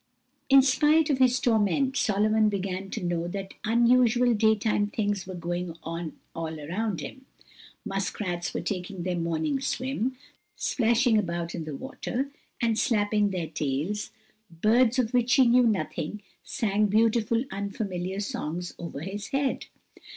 In spite of his torment, Solomon began to know that unusual, daytime things, were going on all around him. Muskrats were taking their morning swim, splashing about in the water, and slapping their tails; birds, of which he knew nothing, sang beautiful, unfamiliar songs over his head.